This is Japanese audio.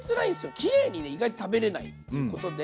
キレイにね意外と食べれないってことで。